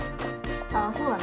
あそうだね